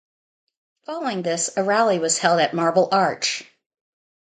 Following this, a rally was held at Marble Arch.